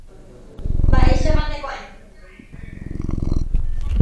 Es tatarabuelo de Boris Izaguirre.